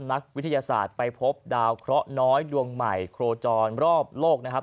นักวิทยาศาสตร์ไปพบดาวเคราะห์น้อยดวงใหม่โคจรรอบโลกนะครับ